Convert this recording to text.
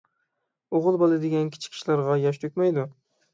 ئوغۇل بالا دېگەن كىچىك ئىشلارغا ياش تۆكمەيدۇ.